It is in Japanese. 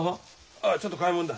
ああちょっと買いもんだ。